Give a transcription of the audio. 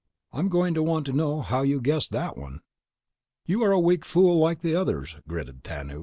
I'm going to want to know how you guessed that one."_ "You are a weak fool like the others," gritted Tanub.